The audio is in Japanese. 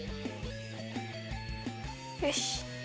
よし！